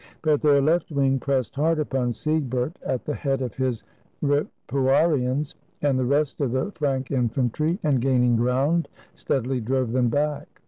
But their left wing pressed hard upon Siegbert at the head of his Ripuarians and the rest of the Frank infantry, and gaining ground, steadily drove them back.